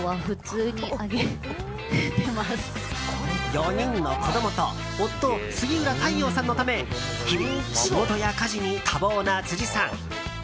４人の子どもと夫・杉浦太陽さんのため日々、仕事や家事に多忙な辻さん。